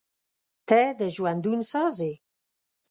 • ته د ژوندون ساز یې.